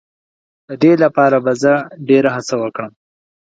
د دې لپاره به زه ډېر هڅه وکړم.